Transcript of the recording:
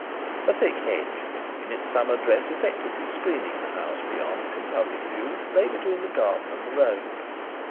A thick hedge, in its summer dress effectively screening the house beyond from public view, lay between the garden and the road.